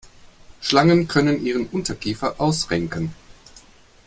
Schlangen können ihren Unterkiefer ausrenken.